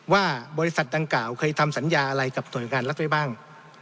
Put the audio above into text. ว่าบริษัทดังกล่าวเคยทำสัญญาอะไรกับหน่วยงานรัฐไว้บ้าง